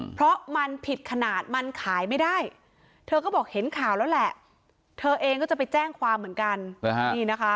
เพราะมันผิดขนาดมันขายไม่ได้เธอก็บอกเห็นข่าวแล้วแหละเธอเองก็จะไปแจ้งความเหมือนกัน